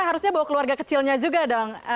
harusnya bawa keluarga kecilnya juga dong